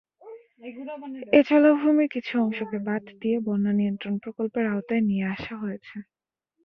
এ জলাভূমির কিছু অংশকে বাঁধ দিয়ে বন্যা নিয়ন্ত্রণ প্রকল্পের আওতায় নিয়ে আসা হয়েছে।